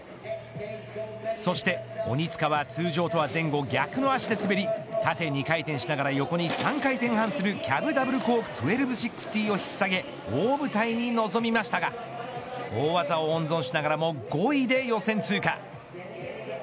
そして鬼塚は通常とは前後逆の足で滑り縦２回転しながら横に３回転半するキャブダブルコーク１２６０を引っ提げ大舞台に臨みましたが大技を温存しながらも５位で予選通過。